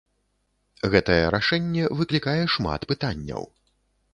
Гэтае рашэнне выклікае шмат пытанняў.